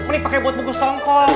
mending pake buat bungkus tongkol